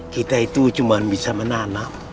kita itu cuma bisa menanam